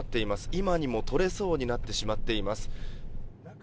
今にも取れそうになってしまっています。